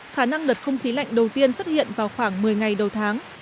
khả năng đợt không khí lạnh đầu tiên xuất hiện vào khoảng một mươi ngày đầu tháng